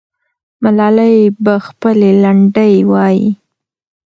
ملالۍ به خپلې لنډۍ وایي.